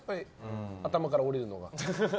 頭から下りるのが。